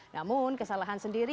namun kesalahan sendiri